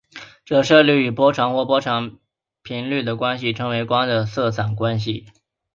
折射率与波长或者频率的关系称为光的色散关系。